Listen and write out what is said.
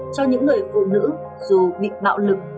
cho những người phụ nữ dù bị bạo lực